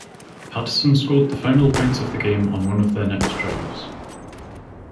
Paterson scored the final points of the game on one of their next drives.